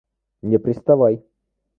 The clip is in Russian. Не приставай!